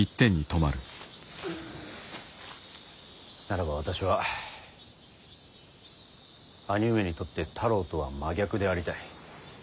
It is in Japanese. ならば私は兄上にとって太郎とは真逆でありたい。